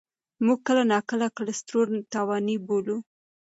موږ کله ناکله کلسترول تاواني بولو.